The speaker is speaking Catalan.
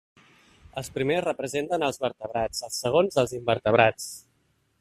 Els primers representen els vertebrats, els segons els invertebrats.